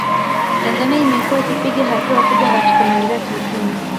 Tanzania imekuwa ikipiga hatua kubwa katika maendeleo ya kiuchumi